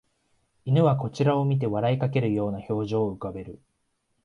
犬はこちらを見て笑いかけるような表情を浮かべる